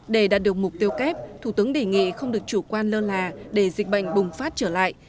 để đạt được mục tiêu kép thủ tướng đề nghị không được chủ quan lơ là để dịch bệnh bùng phát trở lại